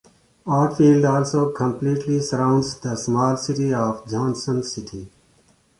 Oatfield also completely surrounds the small city of Johnson City.